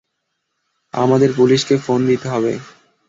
আমাদের পুলিশকে ফোন দিতে হবে।